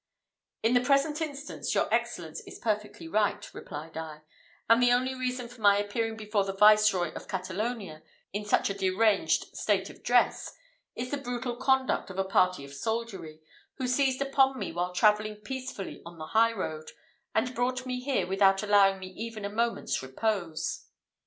"In the present instance your excellence is perfectly right," replied I; "and the only reason for my appearing before the Viceroy of Catalonia in such a deranged state of dress, is the brutal conduct of a party of soldiery, who seized upon me while travelling peacefully on the high road, and brought me here without allowing me even a moment's repose."